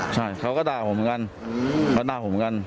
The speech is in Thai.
ใช่เขาก็ด่าผมเหมือนกัน